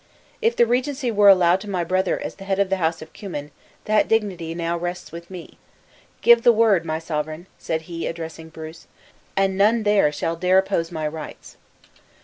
"If the regency were allowed to my brother as head of the house of Cummin, that dignity now rests with me. Give the word, my sovereign," said he, addressing Bruce, "and none there shall dare oppose my rights."